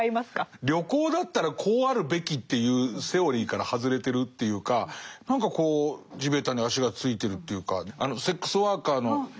旅行だったらこうあるべきっていうセオリーから外れてるっていうか何かこう地べたに足がついてるというかあのセックスワーカーの女性とね。